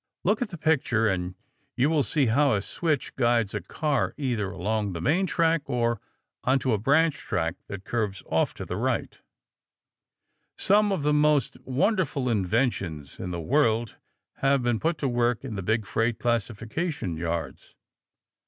Look at the picture and you will see how a switch guides a car either along the main track or onto a branch track that curves off to the right. Some of the most wonderful inventions in the world have been put to work in the big freight classification yards.